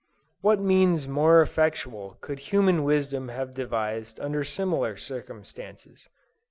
What means more effectual could human wisdom have devised under similar circumstances?"